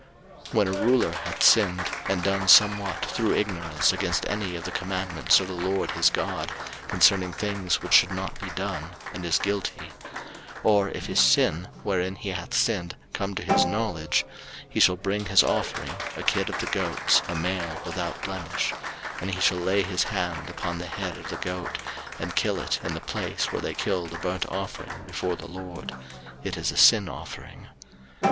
03:004:022 When a ruler hath sinned, and done somewhat through ignorance against any of the commandments of the LORD his God concerning things which should not be done, and is guilty; 03:004:023 Or if his sin, wherein he hath sinned, come to his knowledge; he shall bring his offering, a kid of the goats, a male without blemish: 03:004:024 And he shall lay his hand upon the head of the goat, and kill it in the place where they kill the burnt offering before the LORD: it is a sin offering.